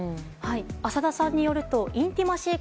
浅田さんによるとインティマシー・